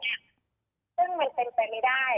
แล้วไม่กินบุหรี่ที่สูบเนี่ยซึ่งมันเป็นไปไม่ได้